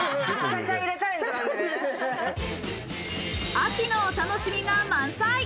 秋のお楽しみが満載！